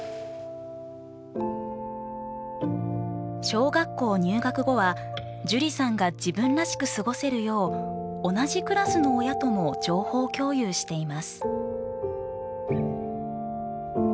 小学校入学後は樹里さんが自分らしく過ごせるよう同じクラスの親とも情報共有しています。